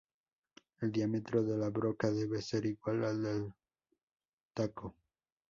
El diámetro de la broca debe ser igual al del taco.